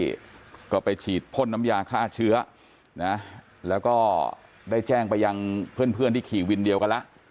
แล้วก็ไปฉีดพ่นน้ำยาฆ่าเชื้อนะแล้วก็ได้แจ้งไปยังเพื่อนที่ขี่วินเดียวกันแล้ว